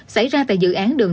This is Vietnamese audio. xảy ra tại dự án đường lê dưỡng